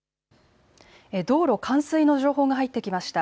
道路冠水の情報が入ってきました。